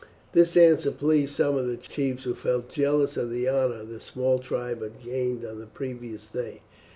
This answer pleased some of the chiefs, who felt jealous of the honour the small tribe had gained on the previous day.